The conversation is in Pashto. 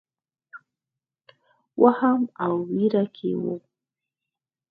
وهم او وېره کې وو.